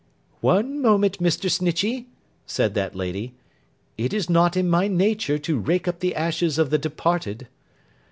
'One moment, Mr. Snitchey,' said that lady. 'It is not in my nature to rake up the ashes of the departed.